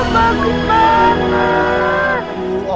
wah bagus banget